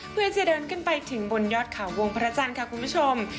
เพื่อจะเดินขึ้นไปถึงบนยอดเขาวงพระจันทร์ค่ะคุณผู้ชม